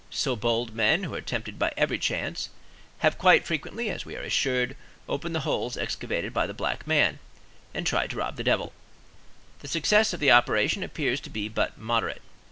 So bold men, who are tempted by every chance, have quite frequently, as we are assured, opened the holes excavated by the black man, and tried to rob the devil. The success of the operation appears to be but moderate.